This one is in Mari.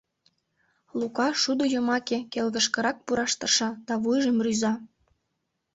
Лука шудо йымаке келгышкырак пураш тырша да вуйжым рӱза.